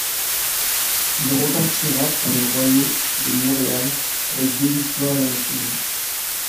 Il repartira pour les Royaux de Montréal avec deux victoires et un match nul.